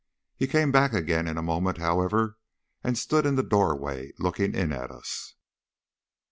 He came back again in a moment, however, and stood in the doorway looking in at us.